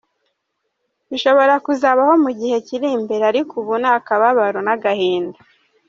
Bishobora kuzabaho mu gihe kiri imbere, ariko ubu ni akababaro n’agahinda.